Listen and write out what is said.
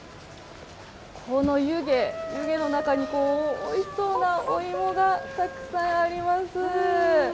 この湯気、湯気の中においしそうなお芋がたくさんあります。